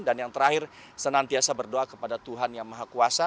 dan yang terakhir senantiasa berdoa kepada tuhan yang maha kuasa